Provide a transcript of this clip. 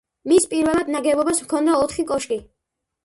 მის პირველად ნაგებობას ჰქონდა ოთხი კოშკი.